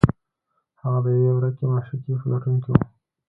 هغه د یوې ورکې معشوقې په لټون کې و